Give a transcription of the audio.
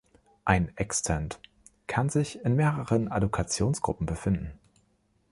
Ein Extent kann sich in mehreren Allokationsgruppen befinden.